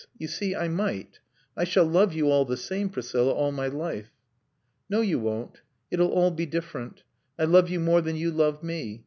You see, I might. I shall love you all the same, Priscilla, all my life." "No, you won't. It'll all be different. I love you more than you love me.